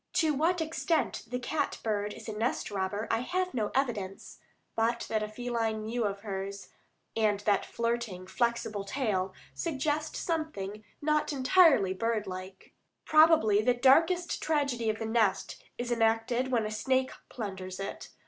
To what extent the cat bird is a nest robber I have no evidence, but that feline mew of hers, and that flirting, flexible tail, suggest something not entirely bird like. Probably the darkest tragedy of the nest is enacted when a snake plunders it.